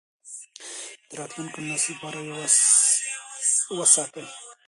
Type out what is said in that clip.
د راتلونکو نسلونو لپاره یې وساتئ.